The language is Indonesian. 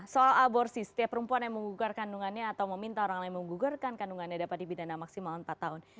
soal aborsi setiap perempuan yang menggugar kandungannya atau meminta orang lain menggugarkan kandungannya dapat dibidana maksimal empat tahun